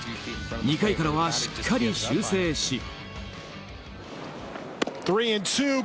２回からはしっかり修正し。